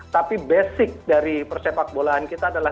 tapi basic dari persepakbolaan kita adalah